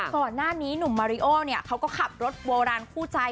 ก่อนหน้านี้หนุ่มม้าริโอก็ขับรถโบราณคู่ใจ